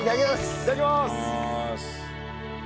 いただきまーす。